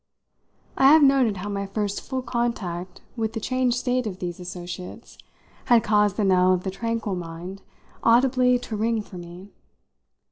I have noted how my first full contact with the changed state of these associates had caused the knell of the tranquil mind audibly to ring for me.